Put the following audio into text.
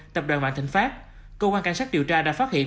tập đoàn vạn thịnh pháp cơ quan cảnh sát điều tra đã phát hiện